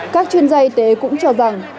các chuyên gia y tế cũng cho rằng